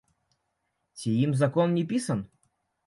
Ці ім закон не пісаны?